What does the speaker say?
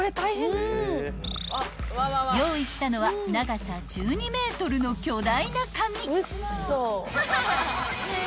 ［用意したのは長さ１２ｍの巨大な紙］